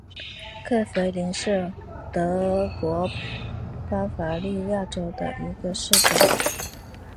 克弗灵是德国巴伐利亚州的一个市镇。